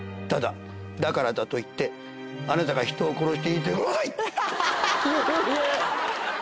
ただだからだと言ってあなたが人を殺していいという！」。